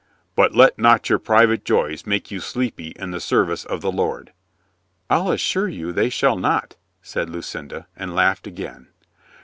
"But let not your private joys make you sleepy in the service of the Lord." "I'll assure they shall not," said Lucinda, and laughed again.